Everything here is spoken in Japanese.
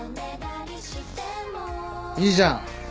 いいじゃん。